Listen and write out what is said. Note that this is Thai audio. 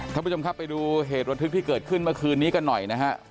ท่านผู้ชมครับไปดูเหตุระทึกที่เกิดขึ้นเมื่อคืนนี้กันหน่อยนะฮะ